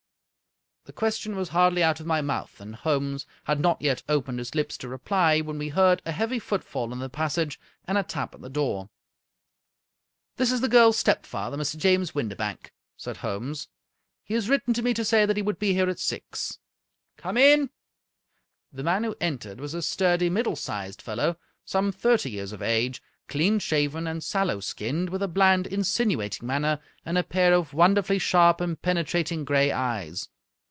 The question was hardly out of my mouth, and Holmes had not yet opened his lips to reply, when we heard a heavy footfall in the passage, and a tap at the door. "This is the girl's stepfather, Mr. James Windibank," said Holmes. " He has written to me to say that he would be here at six. Come in !" The man who entered was a sturdy, middle sized fellow, some thirty years of age, clean shaven, and sallow skinned, with a bland, insinuating manner, and a pair of wonder fully sharp and penetrating gray eyes.